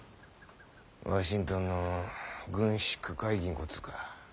ワシントンの軍縮会議んこつか。